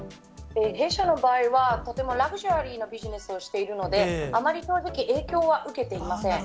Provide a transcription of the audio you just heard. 弊社の場合は、とてもラグジュアリーなビジネスをしているので、あまり正直、影響は受けていません。